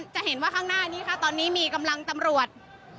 จะเห็นว่าข้างหน้านี้ค่ะตอนนี้มีกำลังตำรวจ